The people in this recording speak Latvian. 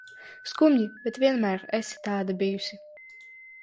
Skumji, bet vienmēr esi tāda bijusi.